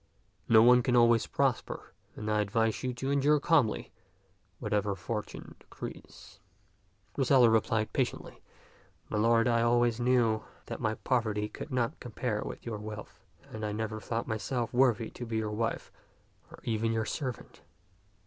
No one can always prosper, and I advise you to endure calmly whatever fortune decrees." Griselda replied patiently, " My lord, I always knew 154 ti}t Ckxk'B taU that my poverty could not compare with your wealth; and I never thought myself worthy to be your wife or even your servant.